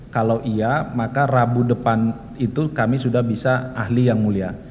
kalau iya maka rabu depan itu kami sudah bisa ahli yang mulia